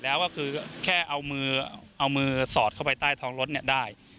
เอามือสอดเข้าไปใต้ท้องรถเนี่ยได้